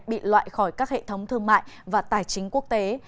bị loại khỏi các hệ thống thương mại và tài chính quốc tế